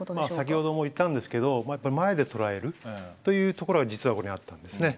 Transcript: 先ほども言ったんですけどやっぱり前で捉えるというところは実はここにあったんですね。